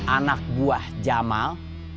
anak buah jamal